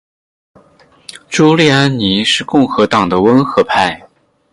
朱利安尼是共和党的温和派。